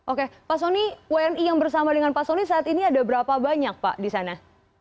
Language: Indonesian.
oke pak soni wni yang bersama dengan pak soni saat ini ada berapa banyak pak di sana